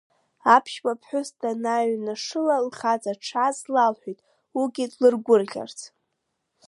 Аԥшәма ԥҳәыс данааҩнашыла, лхаҵа дшааз лалҳәеит, уигьы длыргәырӷьарц.